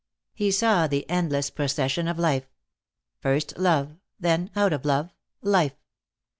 He saw the endless procession of life. First, love. Then, out of love, life.